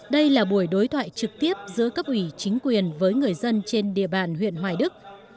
đây là buổi đối thoại trực tiếp giữa cấp ủy chính quyền với người dân trên địa bàn huyện hoài đức